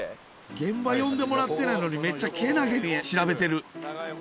現場呼んでもらってないのに、めっちゃけなげに調べてる。